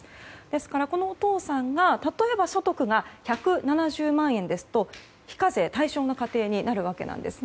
ですから、このお父さんの所得が例えば１７１万円ですと非課税対象の家庭になるわけです。